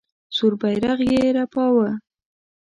سور بیرغ یې رپاوه.